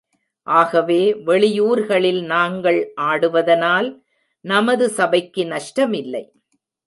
ஆகவே வெளியூர்களில் நாங்கள் ஆடுவதனால் நமது சபைக்கு நஷ்டமில்லை.